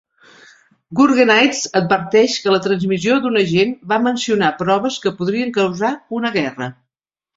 Gurgenidze adverteix que la transmissió d'un agent va mencionar proves que podrien causar una guerra.